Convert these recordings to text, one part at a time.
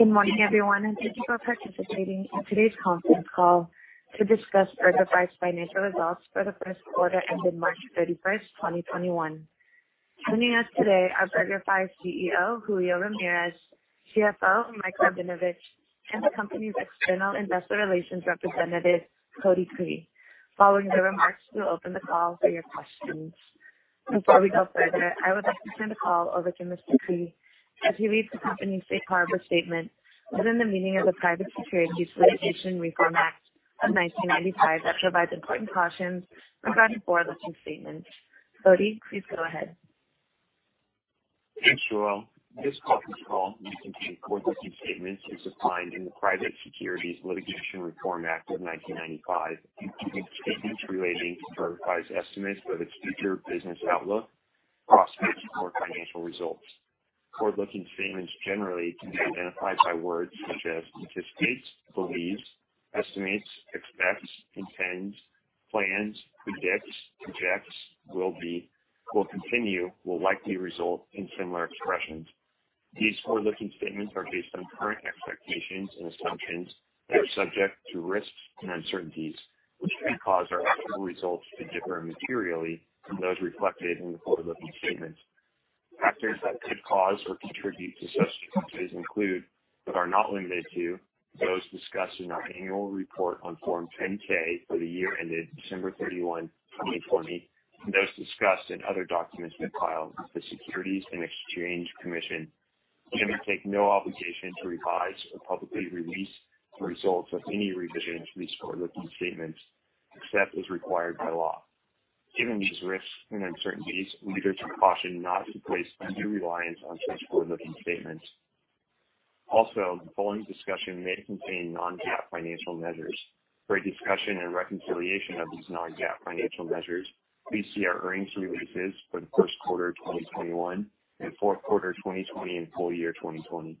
Good morning, everyone, and thank you for participating in today's conference call to discuss BurgerFi's financial results for the first quarter ended March 31, 2021. Joining us today are BurgerFi's CEO, Julio Ramirez, CFO, Michael Rabinovitch, and the company's external investor relations representative, Cody Cree. Following their remarks, we'll open the call for your questions. Before we go further, I would like to turn the call over to Mr. Cree as he reads the company's safe harbor statement within the meaning of the Private Securities Litigation Reform Act of 1995, which provides important cautions regarding forward-looking statements. Cody, please go ahead. Thanks, Joelle. This conference call may contain forward-looking statements as defined in the Private Securities Litigation Reform Act of 1995, including statements relating to BurgerFi's estimates of its future business outlook, prospects, or financial results. Forward-looking statements generally can be identified by words such as anticipates, believes, estimates, expects, intends, plans, predicts, projects, will be, will continue, will likely result, and similar expressions. These forward-looking statements are based on current expectations and assumptions that are subject to risks and uncertainties, which can cause our actual results to differ materially from those reflected in the forward-looking statements. Factors that could cause or contribute to such differences include, but are not limited to, those discussed in our annual report on Form 10-K for the year ended December 31, 2020, and those discussed in other documents we file with the Securities and Exchange Commission. We undertake no obligation to revise or publicly release the results of any revision to these forward-looking statements except as required by law. Given these risks and uncertainties, we urge you to caution not to place undue reliance on such forward-looking statements. The following discussion may contain non-GAAP financial measures. For a discussion and reconciliation of these non-GAAP financial measures, please see our earnings releases for the first quarter of 2021 and fourth quarter of 2020 and full year 2020.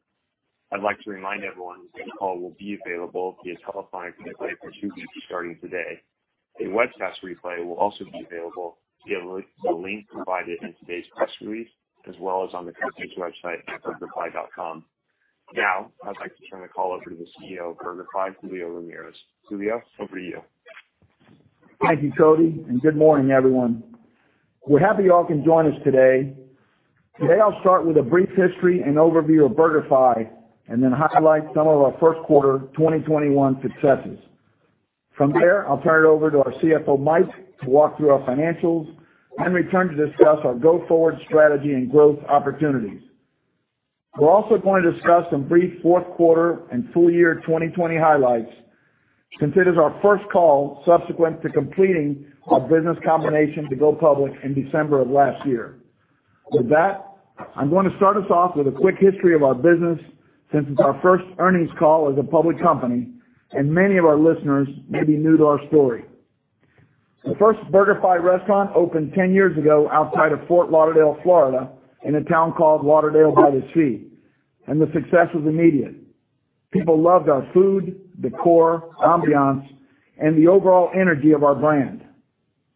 I'd like to remind everyone that the call will be available via telephone replay for two weeks starting today. A webcast replay will also be available via the link provided in today's press release, as well as on the company's website at burgerfi.com. I'd like to turn the call over to the CEO of BurgerFi, Julio Ramirez. Julio, over to you. Thank you, Cody. Good morning, everyone. We're happy you all can join us today. Today, I'll start with a brief history and overview of BurgerFi and then highlight some of our first quarter 2021 successes. From there, I'll turn it over to our CFO, Mike, to walk through our financials and return to discuss our go-forward strategy and growth opportunities. We're also going to discuss some brief fourth quarter and full year 2020 highlights, considering our first call subsequent to completing our business combination to go public in December of last year. I'm going to start us off with a quick history of our business since it's our first earnings call as a public company and many of our listeners may be new to our story. The first BurgerFi restaurant opened 10 years ago outside of Fort Lauderdale, Florida, in a town called Lauderdale by the Sea, and the success was immediate. People loved our food, decor, ambiance, and the overall energy of our brand.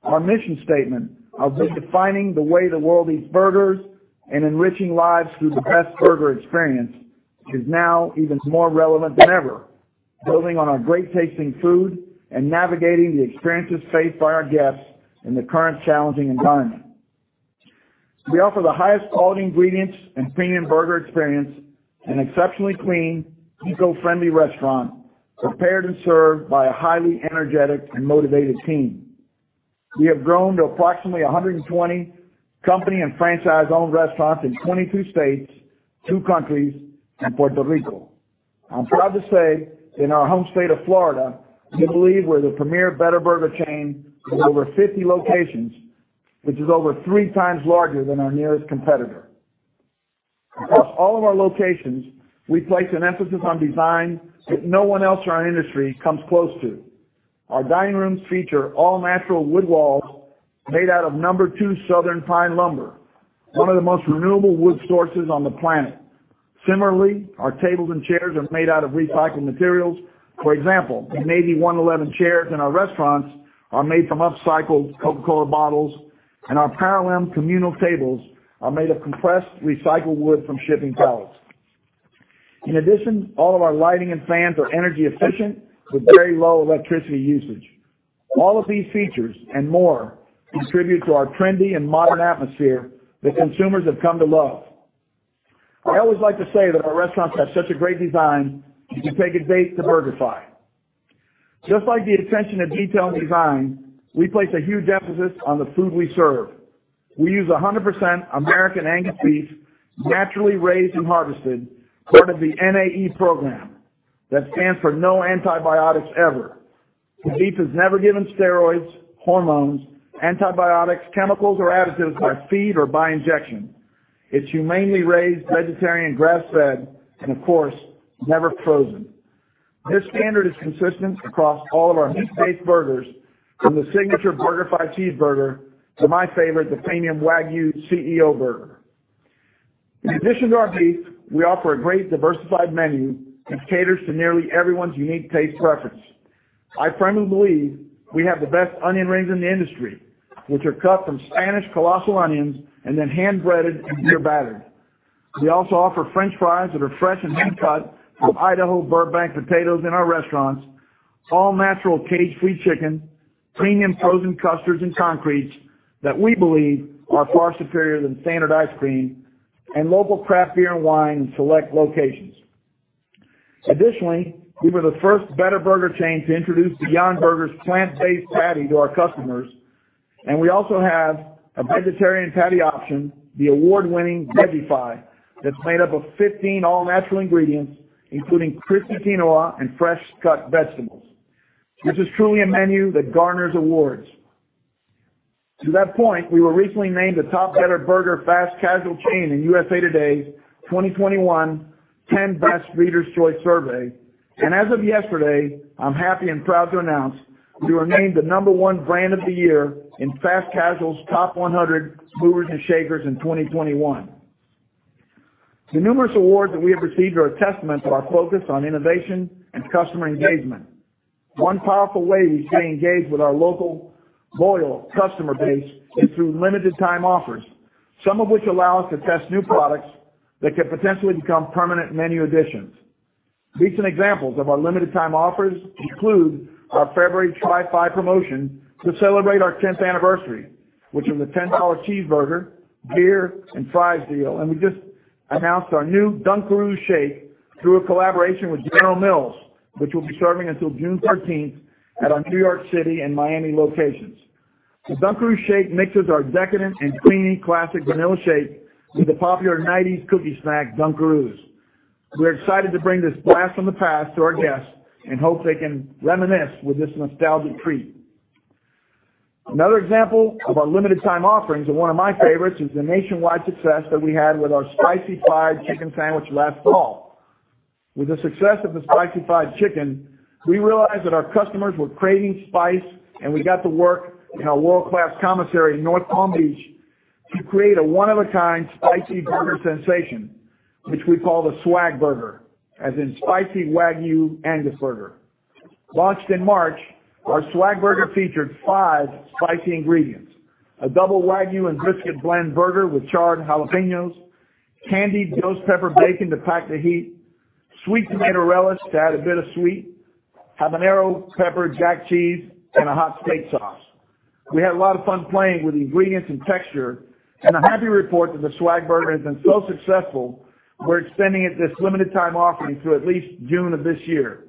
Our mission statement of redefining the way the world eats burgers and enriching lives through the best burger experience is now even more relevant than ever, building on our great tasting food and navigating the experiences faced by our guests in the current challenging environment. We offer the highest quality ingredients and premium burger experience in an exceptionally clean, eco-friendly restaurant prepared and served by a highly energetic and motivated team. We have grown to approximately 120 company and franchise-owned restaurants in 22 states, two countries, and Puerto Rico. I'm proud to say in our home state of Florida, we believe we're the premier better burger chain with over 50 locations, which is over three times larger than our nearest competitor. Across all of our locations, we place an emphasis on design that no one else in our industry comes close to. Our dining rooms feature all-natural wood walls made out of number two southern pine lumber, one of the most renewable wood sources on the planet. Similarly, our tables and chairs are made out of recycled materials. For example, the Navy 111 chairs in our restaurants are made from upcycled Coca-Cola bottles, and our parallel communal tables are made of compressed recycled wood from shipping pallets. In addition, all of our lighting and fans are energy efficient with very low electricity usage. All of these features and more contribute to our trendy and modern atmosphere that consumers have come to love. I always like to say that our restaurants have such a great design, you can take a date to BurgerFi. Just like the attention to detail and design, we place a huge emphasis on the food we serve. We use 100% American Angus beef, naturally raised and harvested per the NAE program. That stands for No Antibiotics Ever. This beef is never given steroids, hormones, antibiotics, chemicals, or additives by feed or by injection. It's humanely raised, vegetarian grass-fed, and of course, never frozen. This standard is consistent across all of our meat-based burgers from the signature BurgerFi Cheeseburger to my favorite, the premium Wagyu CEO burger. In addition to our beef, we offer a great diversified menu that caters to nearly everyone's unique taste preference. I firmly believe we have the best onion rings in the industry, which are cut from Spanish colossal onions and then hand-breaded in beer batter. We also offer french fries that are fresh and hand-cut from Idaho Burbank potatoes in our restaurants, all-natural cage-free chicken, premium frozen custards, and concretes that we believe are far superior than standard ice cream, and local craft beer and wine in select locations. We were the first better burger chain to introduce Beyond Burger's plant-based patty to our customers, and we also have a vegetarian patty option, the award-winning VegeFi Burger, that's made up of 15 all-natural ingredients, including crispy quinoa and fresh-cut vegetables, which is truly a menu that garners awards. To that point, we were recently named the top better burger fast casual chain in USA Today 2021 10Best Readers' Choice Survey. As of yesterday, I'm happy and proud to announce we were named the number one brand of the year in Fast Casual's Top 100 Movers and Shakers in 2021. The numerous awards that we have received are a testament to our focus on innovation and customer engagement. One powerful way we stay engaged with our local loyal customer base is through limited time offers, some of which allow us to test new products that could potentially become permanent menu additions. Recent examples of our limited time offers include our February TryFi promotion to celebrate our 10th anniversary, which is a $10 cheeseburger, beer, and fries deal. We just announced our new Dunkaroos shake through a collaboration with General Mills, which we'll be serving until June 13th at our New York City and Miami locations. The Dunkaroos shake mixes our decadent and creamy classic vanilla shake with the popular '90s cookie snack, Dunkaroos. We're excited to bring this blast from the past to our guests and hope they can reminisce with this nostalgic treat. Another example of our limited time offerings, and one of my favorites, is the nationwide success that we had with our spicy fried chicken sandwich last fall. With the success of the spicy fried chicken, we realized that our customers were craving spice, and we got to work in our world-class commissary in North Palm Beach to create a one-of-a-kind spicy burger sensation, which we call the SWAG Burger, as in spicy Wagyu Angus burger. Launched in March, our SWAG Burger featured five spicy ingredients, a double Wagyu and brisket blend burger with charred jalapenos, candied ghost pepper bacon to pack the heat, sweet tomato relish to add a bit of sweet, habanero pepper jack cheese, and a hot steak sauce. We had a lot of fun playing with the ingredients and texture, and I'm happy to report that the SWAG Burger has been so successful, we're extending this limited time offering to at least June of this year.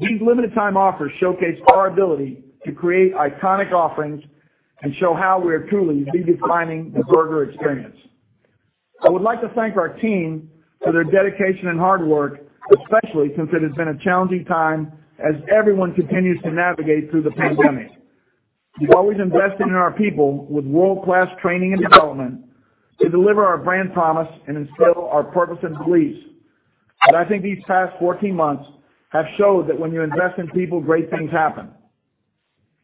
These limited time offers showcase our ability to create iconic offerings and show how we are truly redefining the burger experience. I would like to thank our team for their dedication and hard work, especially since it has been a challenging time as everyone continues to navigate through the pandemic. We've always invested in our people with world-class training and development to deliver our brand promise and instill our purpose and beliefs. I think these past 14 months have showed that when you invest in people, great things happen.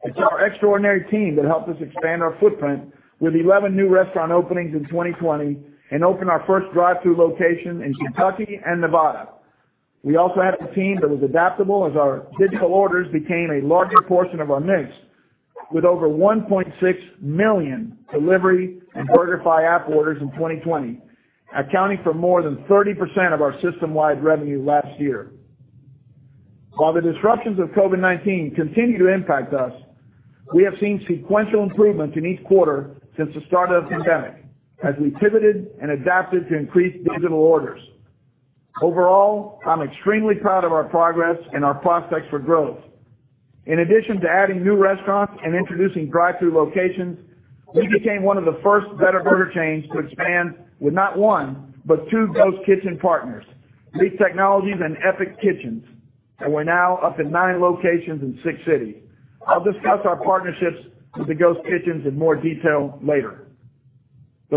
It's our extraordinary team that helped us expand our footprint with 11 new restaurant openings in 2020 and open our first drive-thru location in Kentucky and Nevada. We also have a team that was adaptable as our digital orders became a larger portion of our mix, with over 1.6 million delivery and BurgerFi app orders in 2020, accounting for more than 30% of our system-wide revenue last year. While the disruptions of COVID-19 continue to impact us, we have seen sequential improvement in each quarter since the start of the pandemic as we pivoted and adapted to increase digital orders. Overall, I'm extremely proud of our progress and our prospects for growth. In addition to adding new restaurants and introducing drive-thru locations, we became one of the first better burger chains to expand with not one but two Ghost Kitchen partners, REEF Technology and Epic Kitchens, and we're now up to nine locations in six cities. I'll discuss our partnerships with the Ghost Kitchens in more detail later.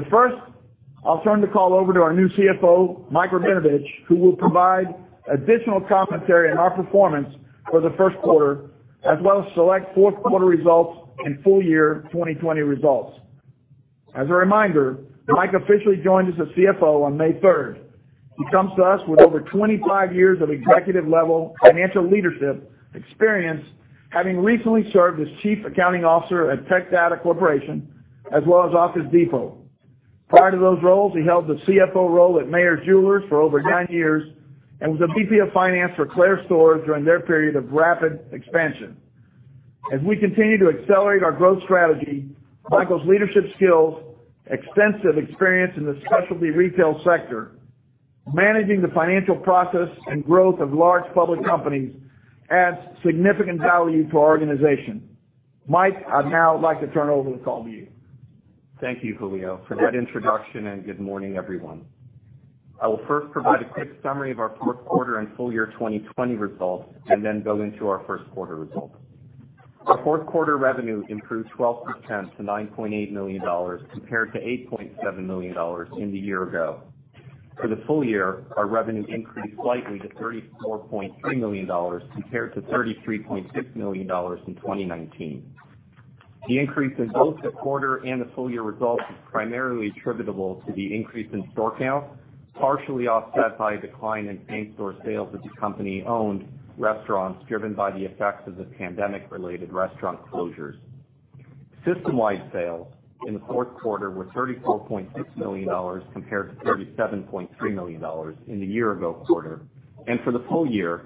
First, I'll turn the call over to our new CFO, Michael Rabinovitch, who will provide additional commentary on our performance for the first quarter, as well as select fourth quarter results and full year 2020 results. As a reminder, Michael officially joined us as CFO on May 3rd. He comes to us with over 25 years of executive level financial leadership experience, having recently served as Chief Accounting Officer at Tech Data Corporation, as well as Office Depot. Prior to those roles, he held the CFO role at Mayors Jewelers for over nine years and was the VP of finance for Claire's Stores during their period of rapid expansion. As we continue to accelerate our growth strategy, Michael's leadership skills, extensive experience in the specialty retail sector, managing the financial process and growth of large public companies adds significant value to our organization. Mike, I'd now like to turn over the call to you. Thank you, Julio, for that introduction, and good morning, everyone. I will first provide a quick summary of our fourth quarter and full year 2020 results and then go into our first quarter results. Our fourth quarter revenue improved 12% to $9.8 million compared to $8.7 million in the year ago. For the full year, our revenue increased slightly to $34.3 million compared to $33.6 million in 2019. The increase in both the quarter and the full year results is primarily attributable to the increase in store count, partially offset by a decline in same-store sales at the company-owned restaurants driven by the effects of the pandemic-related restaurant closures. System-wide sales in the fourth quarter were $34.6 million compared to $37.3 million in the year ago quarter. For the full year,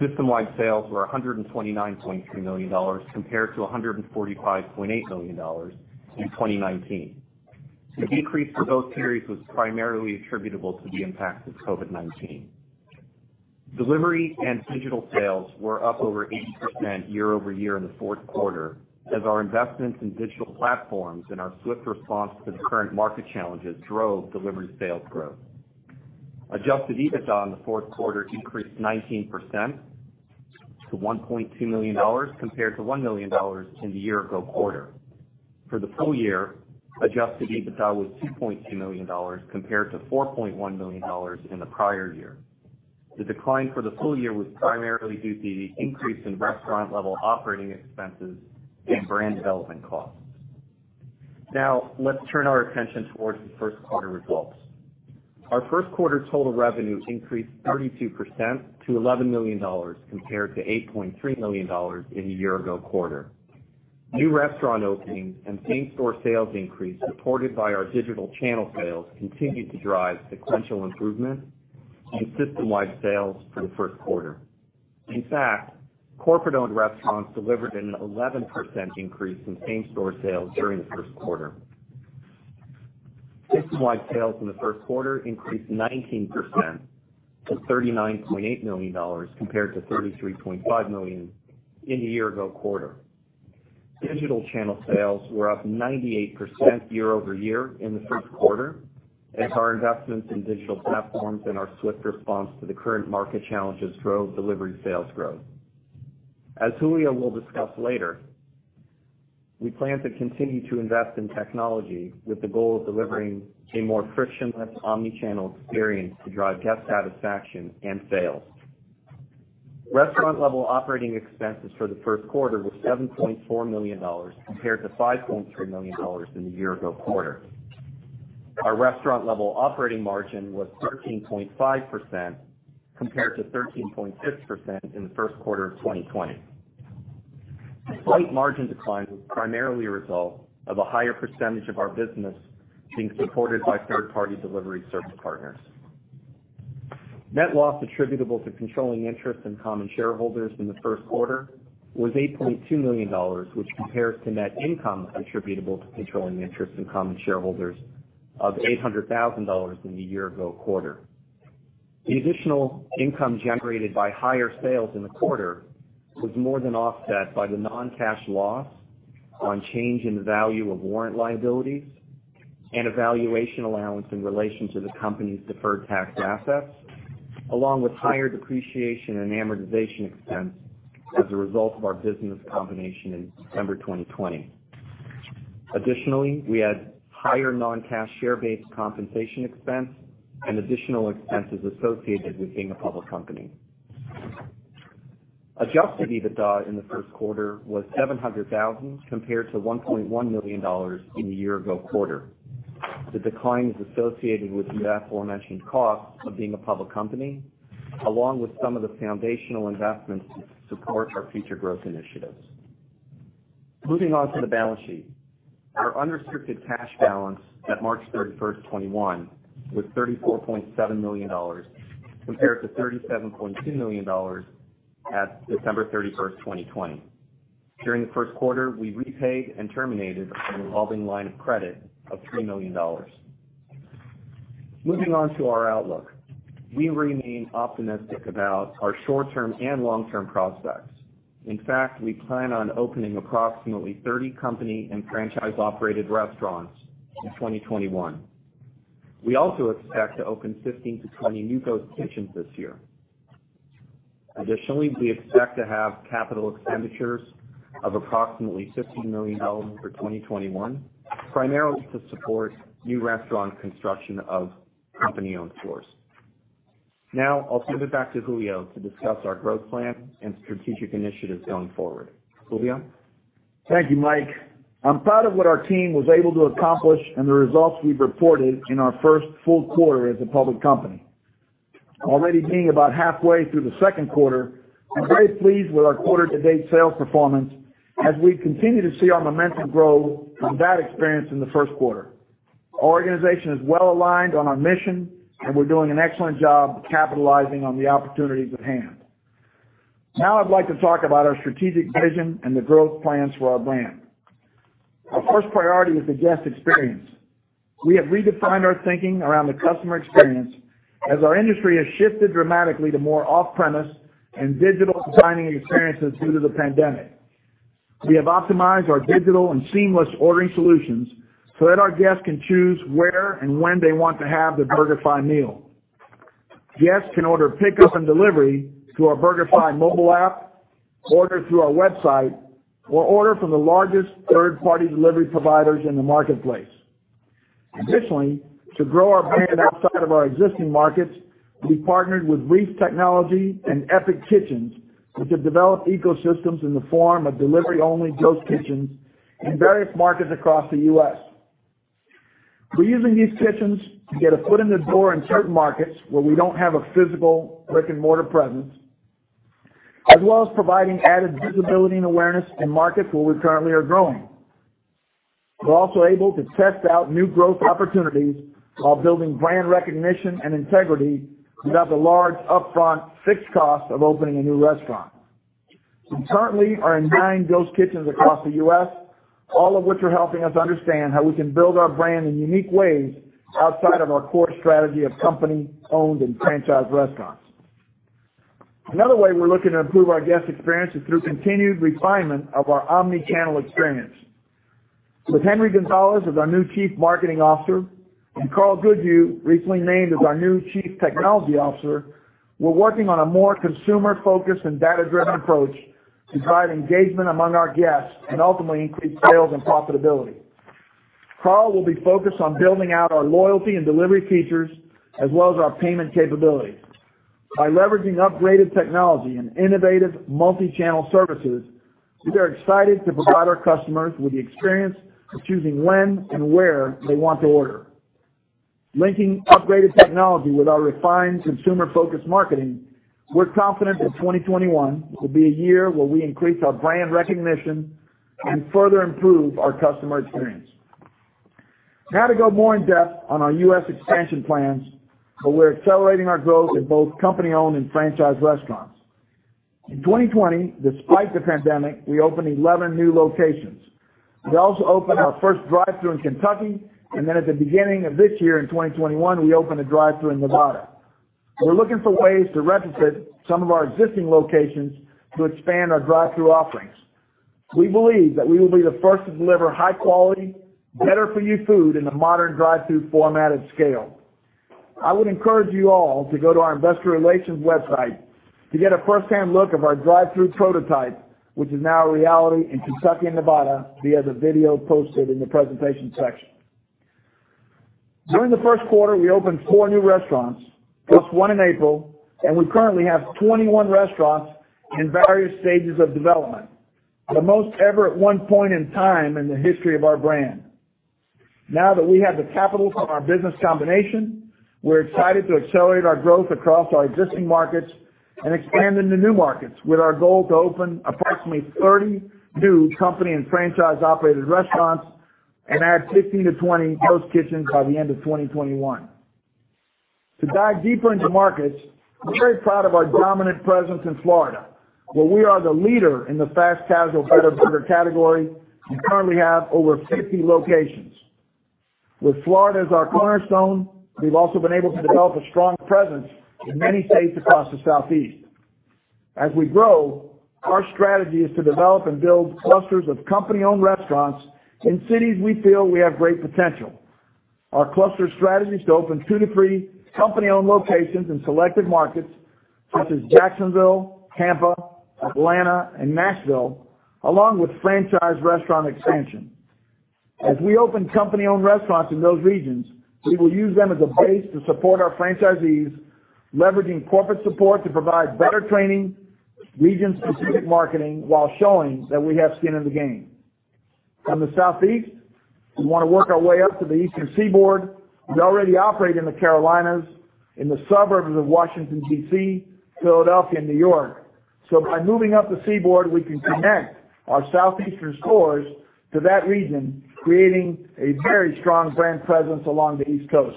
system-wide sales were $129.2 million compared to $145.8 million in 2019. The decrease for both periods was primarily attributable to the impact of COVID-19. Delivery and digital sales were up over 80% year over year in the fourth quarter as our investments in digital platforms and our swift response to the current market challenges drove delivery sales growth. Adjusted EBITDA in the fourth quarter increased 19% to $1.2 million compared to $1 million in the year ago quarter. For the full year, adjusted EBITDA was $2.2 million compared to $4.1 million in the prior year. The decline for the full year was primarily due to the increase in restaurant level operating expenses and brand development costs. Now, let's turn our attention towards the first quarter results. Our first quarter total revenue increased 32% to $11 million compared to $8.3 million in the year ago quarter. New restaurant openings and same-store sales increase supported by our digital channel sales continued to drive sequential improvements in system-wide sales for the first quarter. In fact, corporate-owned restaurants delivered an 11% increase in same-store sales during the first quarter. System-wide sales in the first quarter increased 19% to $39.8 million compared to $33.5 million in the year ago quarter. Digital channel sales were up 98% year-over-year in the first quarter as our investments in digital platforms and our swift response to the current market challenges drove delivery sales growth. As Julio will discuss later, we plan to continue to invest in technology with the goal of delivering a more frictionless omni-channel experience to drive guest satisfaction and sales. Restaurant level operating expenses for the first quarter was $7.4 million compared to $5.3 million in the year ago quarter. Our restaurant level operating margin was 13.5% compared to 13.6% in the first quarter of 2020. The slight margin decline was primarily a result of a higher percentage of our business being supported by third party delivery service partners. Net loss attributable to controlling interest in common shareholders in the first quarter was $8.2 million, which compares to net income attributable to controlling interest in common shareholders of $800,000 in the year ago quarter. The additional income generated by higher sales in the quarter was more than offset by the non-cash loss on change in the value of warrant liabilities and a valuation allowance in relation to the company's deferred tax assets, along with higher depreciation and amortization expense as a result of our business combination in December 2020. Additionally, we had higher non-cash share-based compensation expense and additional expenses associated with being a public company. Adjusted EBITDA in the first quarter was $700,000 compared to $1.1 million in the year ago quarter. The decline is associated with the aforementioned cost of being a public company, along with some of the foundational investments to support our future growth initiatives. Moving on to the balance sheet. Our unrestricted cash balance at March 31st, 2021 was $34.7 million compared to $37.2 million at December 31st, 2020. During the first quarter, we repaid and terminated a revolving line of credit of $3 million. Moving on to our outlook. We remain optimistic about our short-term and long-term prospects. In fact, we plan on opening approximately 30 company- and franchise-operated restaurants in 2021. We also expect to open 15 to 20 new ghost kitchens this year. Additionally, we expect to have capital expenditures of approximately $50 million for 2021, primarily to support new restaurant construction of company-owned stores. Now, I'll turn it back to Julio to discuss our growth plan and strategic initiatives going forward. Julio. Thank you, Mike. I'm proud of what our team was able to accomplish and the results we've reported in our first full quarter as a public company. Already being about halfway through the second quarter, I'm very pleased with our quarter to date sales performance as we continue to see our momentum grow from that experienced in the first quarter. Our organization is well aligned on our mission, and we're doing an excellent job of capitalizing on the opportunities at hand. Now I'd like to talk about our strategic vision and the growth plans for our brand. Our first priority is the guest experience. We have redefined our thinking around the customer experience as our industry has shifted dramatically to more off-premise and digital dining experiences due to the pandemic. We have optimized our digital and seamless ordering solutions so that our guests can choose where and when they want to have their BurgerFi meal. Guests can order pickup and delivery to our BurgerFi mobile app, order through our website, or order from the largest third party delivery providers in the marketplace. Additionally, to grow our brand outside of our existing markets, we partnered with REEF Technology and Epic Kitchens, which have developed ecosystems in the form of delivery-only ghost kitchens in various markets across the U.S. We're using these kitchens to get a foot in the door in certain markets where we don't have a physical brick-and-mortar presence, as well as providing added visibility and awareness in markets where we currently are growing. We're also able to test out new growth opportunities while building brand recognition and integrity without the large upfront fixed cost of opening a new restaurant. We currently are in nine ghost kitchens across the U.S., all of which are helping us understand how we can build our brand in unique ways outside of our core strategy of company-owned and franchised restaurants. Another way we're looking to improve our guest experience is through continued refinement of our omni-channel experience. With Henry Gonzalez as our new Chief Marketing Officer, and Karl Goodhew recently named as our new Chief Technology Officer, we're working on a more consumer-focused and data-driven approach to drive engagement among our guests and ultimately increase sales and profitability. Karl will be focused on building out our loyalty and delivery features as well as our payment capabilities. By leveraging upgraded technology and innovative multi-channel services, we are excited to provide our customers with the experience of choosing when and where they want to order. Linking upgraded technology with our refined consumer-focused marketing, we're confident that 2021 will be a year where we increase our brand recognition and further improve our customer experience. Now to go more in-depth on our U.S. expansion plans, where we're accelerating our growth in both company-owned and franchised restaurants. In 2020, despite the pandemic, we opened 11 new locations. We also opened our first drive-thru in Kentucky. At the beginning of this year in 2021, we opened a drive-thru in Nevada. We're looking for ways to retrofit some of our existing locations to expand our drive-thru offerings. We believe that we will be the first to deliver high quality, better-for-you food in a modern drive-thru format at scale. I would encourage you all to go to our investor relations website to get a first-hand look of our drive-thru prototype, which is now a reality in Kentucky and Nevada, via the video posted in the presentation section. During the first quarter, we opened four new restaurants, plus one in April, and we currently have 21 restaurants in various stages of development, the most ever at one point in time in the history of our brand. Now that we have the capital from our business combination, we're excited to accelerate our growth across our existing markets and expand into new markets, with our goal to open approximately 32 company and franchise-operated restaurants and add 15-20 ghost kitchens by the end of 2021. To dive deeper into markets, we're very proud of our dominant presence in Florida, where we are the leader in the fast-casual better burger category and currently have over 50 locations. With Florida as our cornerstone, we've also been able to develop a strong presence in many states across the Southeast. As we grow, our strategy is to develop and build clusters of company-owned restaurants in cities we feel we have great potential. Our cluster strategy is to open two to three company-owned locations in selected markets such as Jacksonville, Tampa, Atlanta, and Nashville, along with franchised restaurant expansion. As we open company-owned restaurants in those regions, we will use them as a base to support our franchisees, leveraging corporate support to provide better training, region-specific marketing, while showing that we have skin in the game. From the Southeast, we want to work our way up to the Eastern Seaboard. We already operate in the Carolinas, in the suburbs of Washington, D.C., Philadelphia, and New York. By moving up the Seaboard, we can connect our Southeastern stores to that region, creating a very strong brand presence along the East Coast.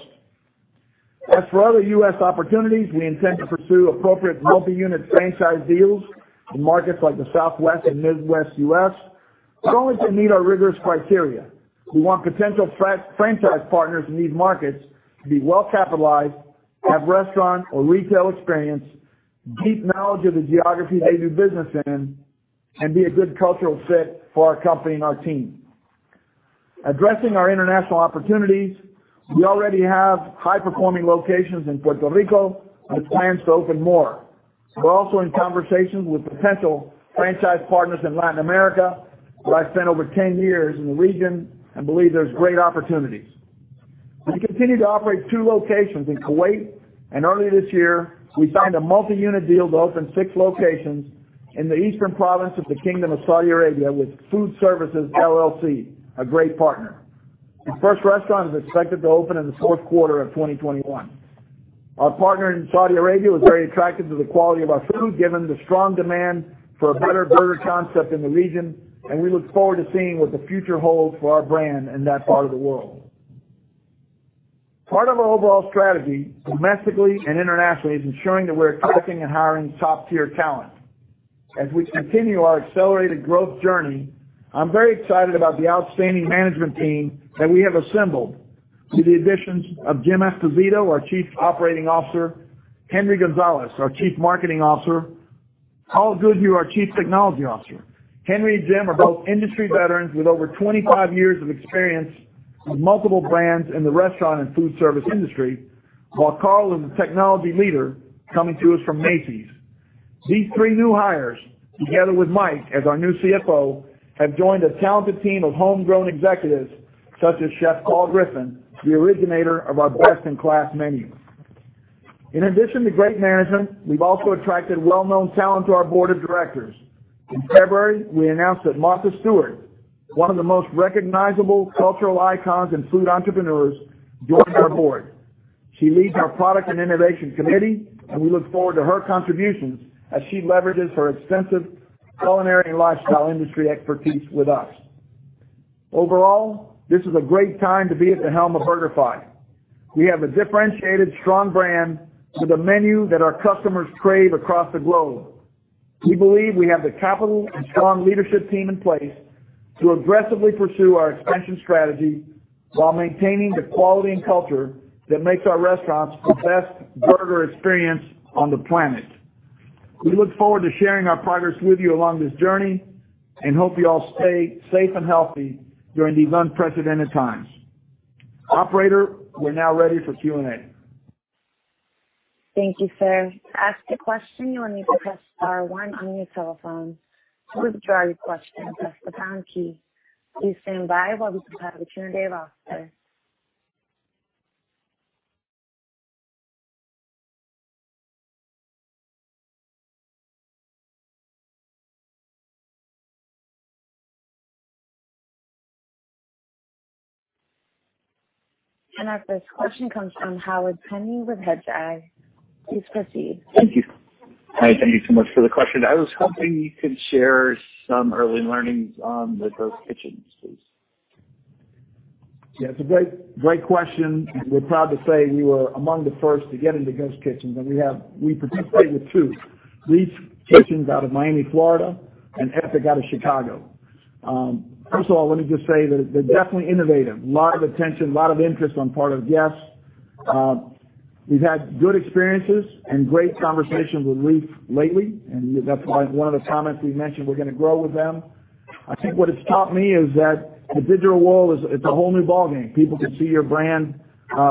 For other U.S. opportunities, we intend to pursue appropriate multi-unit franchise deals in markets like the Southwest and Midwest U.S., as long as they meet our rigorous criteria. We want potential franchise partners in these markets to be well-capitalized, have restaurant or retail experience, deep knowledge of the geography they do business in, and be a good cultural fit for our company and our team. Addressing our international opportunities, we already have high-performing locations in Puerto Rico with plans to open more. We're also in conversations with potential franchise partners in Latin America, where I've spent over 10 years in the region and believe there's great opportunities. We continue to operate two locations in Kuwait, and earlier this year, we signed a multi-unit deal to open six locations in the Eastern province of the Kingdom of Saudi Arabia with Food Services LLC, a great partner. The first restaurant is expected to open in the fourth quarter of 2021. Our partner in Saudi Arabia was very attracted to the quality of our food, given the strong demand for a better burger concept in the region, and we look forward to seeing what the future holds for our brand in that part of the world. Part of our overall strategy, domestically and internationally, is ensuring that we are attracting and hiring top-tier talent. As we continue our accelerated growth journey, I'm very excited about the outstanding management team that we have assembled with the additions of Jim Esposito, our Chief Operating Officer, Henry Gonzalez, our Chief Marketing Officer, Karl Goodhew, our Chief Technology Officer. Henry and Jim are both industry veterans with over 25 years of experience with multiple brands in the restaurant and food service industry, while Karl is a technology leader coming to us from Macy's. These three new hires, together with Mike as our new CFO, have joined a talented team of homegrown executives, such as Chef Paul Griffin, the originator of our best-in-class menu. In addition to great management, we've also attracted well-known talent to our Board of Directors. In February, we announced that Martha Stewart, one of the most recognizable cultural icons and food entrepreneurs, joined our Board. She leads our product and innovation committee, and we look forward to her contributions as she leverages her extensive culinary lifestyle industry expertise with us. Overall, this is a great time to be at the helm of BurgerFi. We have a differentiated, strong brand with a menu that our customers crave across the globe. We believe we have the capital and strong leadership team in place to aggressively pursue our expansion strategy while maintaining the quality and culture that makes our restaurants the best burger experience on the planet. We look forward to sharing our progress with you along this journey and hope you all stay safe and healthy during these unprecedented times. Operator, we're now ready for Q&A. Thank you, sir. To ask a question, you will need to press star one on your telephone. To withdraw your question, press the pound key. Please stand by while we prepare the queue thereafter. Our first question comes from Howard Penney with Hedgeye. Please proceed. Thank you. Mike, thank you so much for the question. I was hoping you could share some early learnings on the ghost kitchens, please. Yeah. It's a great question, and we're proud to say we were among the first to get into ghost kitchens. We participate with two, REEF out of Miami, Florida, and Epic Kitchens out of Chicago. First of all, let me just say they're definitely innovative. A lot of attention, a lot of interest on part of guests. We've had good experiences and great conversations with REEF lately, and that's why in one of the comments we mentioned we're going to grow with them. I think what it's taught me is that the digital world, it's a whole new ballgame. People can see your brand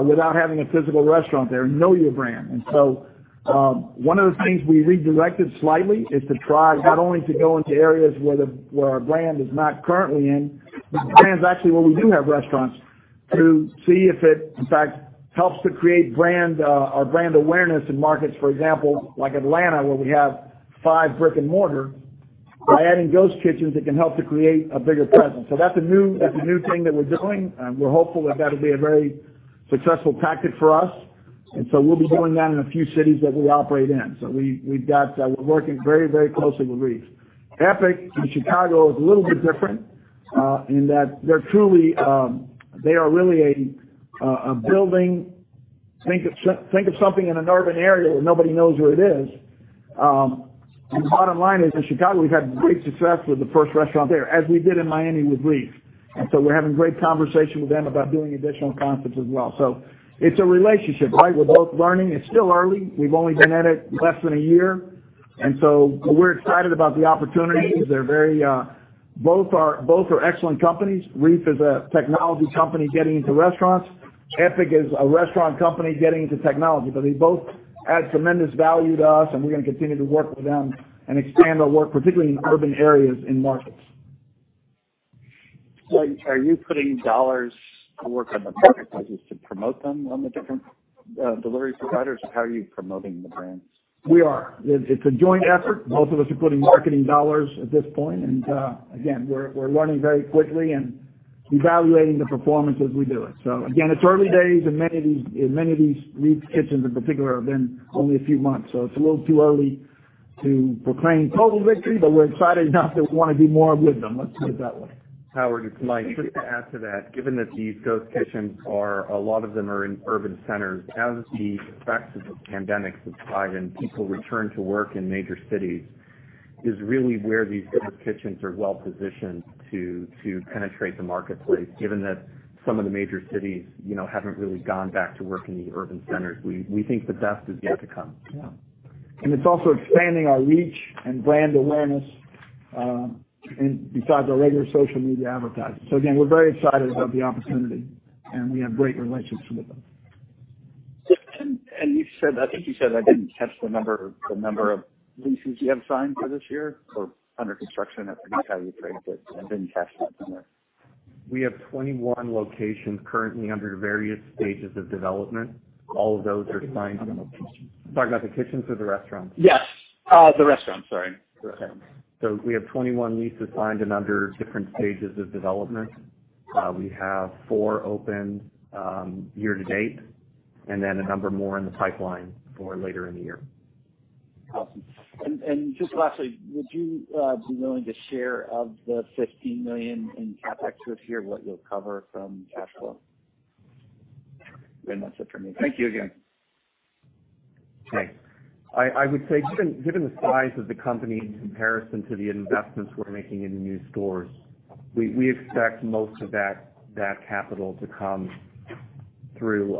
without having a physical restaurant there and know your brand. One of the things we rejigged slightly is to try not only to go into areas where our brand is not currently in, but brands actually where we do have restaurants to see if it, in fact, helps to create our brand awareness in markets, for example, like Atlanta, where we have five brick and mortar. By adding ghost kitchens, it can help to create a bigger presence. That's a new thing that we're doing, and we're hopeful that that'll be a very successful tactic for us. We'll be doing that in a few cities that we operate in. We're working very closely with REEF. Epic in Chicago is a little bit different in that they are really building. Think of something in an urban area where nobody knows where it is. The bottom line is in Chicago, we've had great success with the first restaurant there, as we did in Miami with REEF. We're having great conversation with them about doing additional concepts as well. It's a relationship, right? We're both learning. It's still early. We've only been at it less than a year, and so we're excited about the opportunities. Both are excellent companies. REEF is a technology company getting into restaurants. Epic is a restaurant company getting into technology. They both add tremendous value to us, and we're going to continue to work with them and expand our work, particularly in urban areas in markets. Are you putting dollars to work on the marketplaces to promote them on the different delivery providers, or how are you promoting the brands? We are. It's a joint effort. Both of us are putting marketing dollars at this point. Again, we're learning very quickly and evaluating the performance as we do it. Again, it's early days, and many of these REEF kitchens in particular have been only a few months, so it's a little too early to proclaim total victory, but we're excited enough that we want to be more with them, let's put it that way. Howard, it's Mike. Quick to add to that, given that these ghost kitchens, a lot of them are in urban centers. As the effects of the pandemic subside and people return to work in major cities is really where these ghost kitchens are well positioned to penetrate the marketplace, given that some of the major cities haven't really gone back to work in the urban centers. We think the best is yet to come. Yeah. It's also expanding our reach and brand awareness besides our regular social media advertising. Again, we're very excited about the opportunity, and we have great relationships with them. I think you said, I didn't catch the number of leases you have signed for this year or under construction. I forget how you phrased it. I didn't catch that somewhere. We have 21 locations currently under various stages of development. All of those are signed. How many kitchens? Sorry, the kitchens or the restaurants? Yes. The restaurants, sorry. Restaurants. We have 21 leases signed and under different stages of development. We have four open year to date, and then a number more in the pipeline for later in the year. Awesome. Just lastly, would you be willing to share of the $15 million in CapEx this year, what you'll cover from cash flow? Very much appreciate it. Thank you again. I would say given the size of the company in comparison to the investments we're making in new stores, we expect most of that capital to come through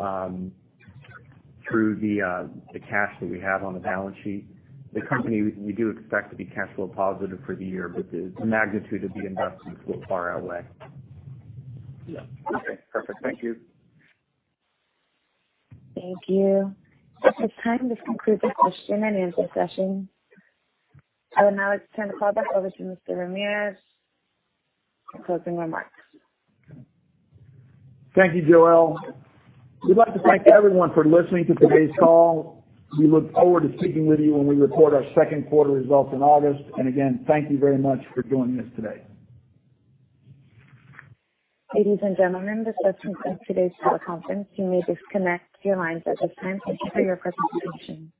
the cash that we have on the balance sheet. The company, we do expect to be cash flow positive for the year, but the magnitude of the investments will far outweigh. Yeah. Okay, perfect. Thank you. Thank you. That's the time to conclude the question and answer session. Now it's time to call back over to Mr. Ramirez for closing remarks. Thank you, Joelle. We'd like to thank everyone for listening to today's call. We look forward to speaking with you when we record our second quarter results in August. Again, thank you very much for joining us today. Ladies and gentlemen, this concludes today's teleconference. You may disconnect your lines at this time until your presentation.